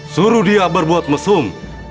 suruh dia berbuat mesum